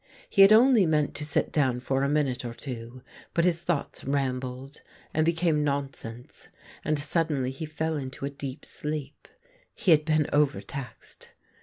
He had only meant to sit down for a minute or two, but his thoughts rambled and became nonsense, and suddenly he fell into a deep sleep. He had been over taxed.